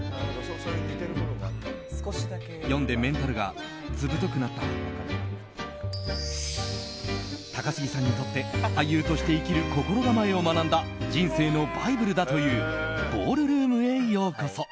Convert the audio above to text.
この作品について、高杉さんは。高杉さんにとって俳優として生きる心構えを学んだ人生のバイブルだという「ボールルームへようこそ」。